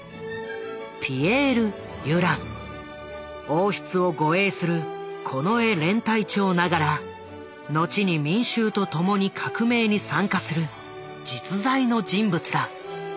王室を護衛する近衛連隊長ながら後に民衆と共に革命に参加する実在の人物だ。